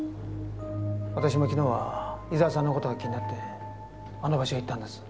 私も昨日は伊沢さんの事が気になってあの場所へ行ったんです。